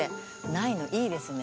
ないの、いいですね。